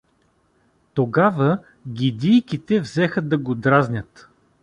Тогава гидийките взеха да го дразнят.